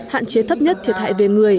hạn chế thấp nhất thiệt hại về người